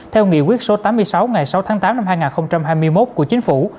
theo nghị quyết số tám mươi sáu ngày sáu tháng tám năm hai nghìn hai mươi một của chính phủ